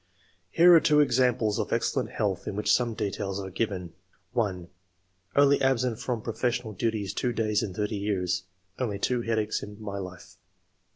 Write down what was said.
Here are two examples of excellent health in which some details are given :— 1. " Only absent from professional duties two days in thirty years ; only two headaches in my life.''